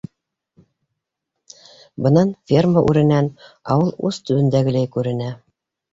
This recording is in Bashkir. Бынан, ферма үренән, ауыл ус төбөндәгеләй күренә.